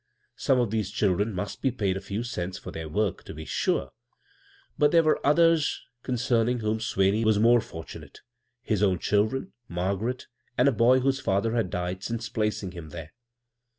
Some of these diildren must be paid a few cents for thdr work, to be sure ; but there \fert others ccmi 98 b, Google CROSS CURRENTS ceming whom Swaney was more fortunate — his own children, Margaret, and a boy whose father had died ^nce placing him there.